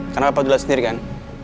karena pak dula sendiri kan